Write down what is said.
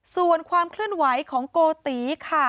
ส่วนความเคลื่อนไหวของโกติค่ะ